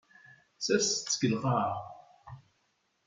Serset-t deg lqaɛa.